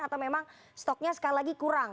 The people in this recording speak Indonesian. atau memang stoknya sekali lagi kurang